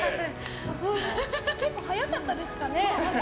結構速かったですかね。